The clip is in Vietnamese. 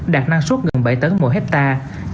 đạt năng suất gần bảy tấn mỗi hectare